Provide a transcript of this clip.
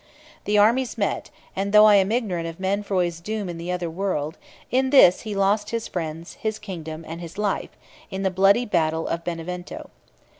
The armies met: and though I am ignorant of Mainfroy's doom in the other world, in this he lost his friends, his kingdom, and his life, in the bloody battle of Benevento.